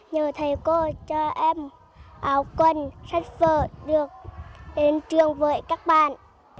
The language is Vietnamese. nhờ thầy cô cho em áo quần sách vở được đến trường với các bạn